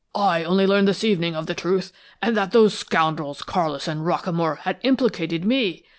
"I only learned this evening of the truth, and that those scoundrels Carlis and Rockamore had implicated me!